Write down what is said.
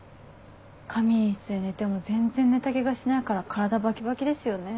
仮眠室で寝ても全然寝た気がしないから体バキバキですよね。